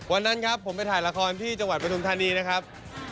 วันนั้นครับผมไปถ่ายละครที่จังหวัดประทุมธานีนะครับ